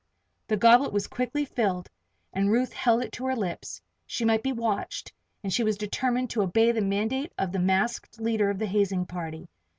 The goblet was quickly filled and Ruth held it to her lips. She might be watched, and she was determined to obey the mandate of the masked leader of the hazing party.